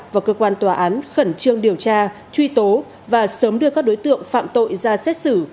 và cơ quan tòa án khẩn trương điều tra truy tố và sớm đưa các đối tượng phạm tội ra xét xử